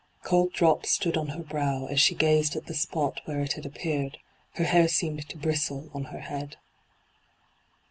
Cold drops stood on her brow as she gazed at the spot where it had appeared ; her hair seemed to bristle on her head.